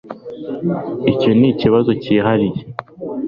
icyo nikibazo cyihariye